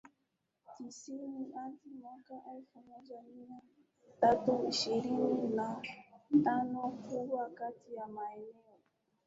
tisini hadi mwaka elfu moja mia tatu ishirini na tanoKubwa kati ya maeneo